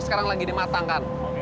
sekarang lagi dimatangkan